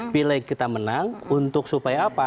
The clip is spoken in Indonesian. pilih kita menang untuk supaya apa